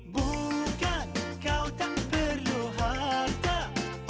bukan kau tak perlu harta